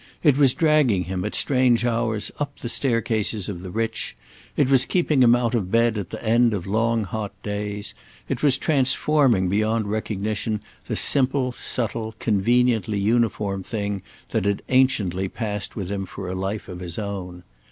It was dragging him, at strange hours, up the staircases of the rich; it was keeping him out of bed at the end of long hot days; it was transforming beyond recognition the simple, subtle, conveniently uniform thing that had anciently passed with him for a life of his own.